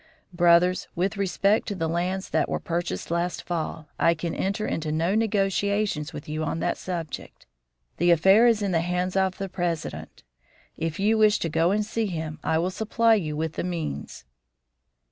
Brothers, with respect to the lands that were purchased last fall, I can enter into no negotiations with you on that subject; the affair is in the hands of the President. If you wish to go and see him, I will supply you with the means."